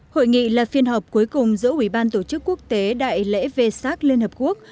hội nghị là phiên họp cuối cùng giữa ủy ban tổ chức quốc tế đại lễ vê sát liên hợp quốc